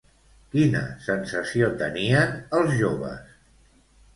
Quina sensació tenien els joves?